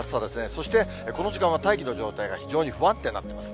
そして、この時間は大気の状態が非常に不安定になってます。